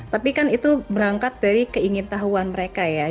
tapi kan itu berangkat dari keingin tahuan mereka ya